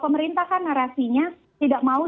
pemerintah kan narasinya tidak mau